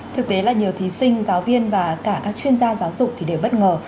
thực tế là nhiều thí sinh giáo viên và cả các chuyên gia giáo dục thì đều bất ngờ